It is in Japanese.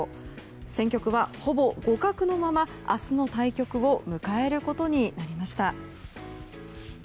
戦局は、ほぼ互角のまま明日の対局を迎えることになりました。